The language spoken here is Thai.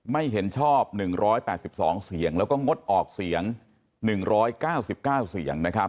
ไม่เห็นชอบ๑๘๒เสียงแล้วก็งดออกเสียง๑๙๙เสียงนะครับ